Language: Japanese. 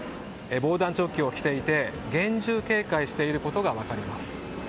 防弾チョッキを着ていて厳重警戒していることが分かります。